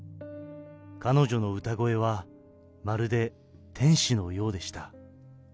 彼女の歌声は、まるで天使のようでした。